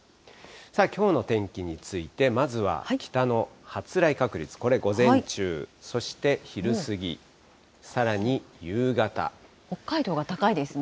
さあ、きょうの天気について、まずは北の発雷確率、これ午前中、そして昼過ぎ、北海道が高いですね。